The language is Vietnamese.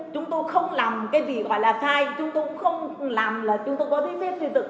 chúng tôi không làm cái gì gọi là sai chúng tôi không làm là chúng tôi có thiết phép xây dựng